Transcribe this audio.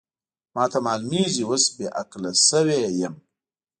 ما ته معلومېږي اوس بې عقله شوې یم.